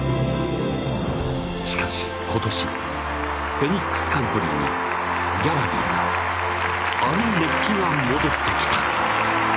フェニックスカントリーにギャラリーがあの熱気が戻ってきた！